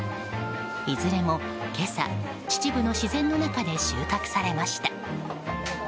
いずれも今朝、秩父の自然の中で収穫されました。